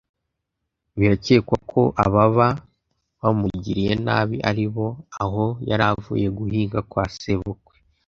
Biracyekwa ko ababa bamugiriye nabi ari abo aho yari avuye guhinga kwa sebukwe